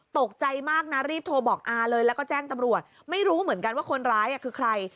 ตกใจมากนะรีบโทรบอกอาเลยแล้วก็แจ้งตำรวจไม่รู้เหมือนกันว่าคนร้ายคือใคร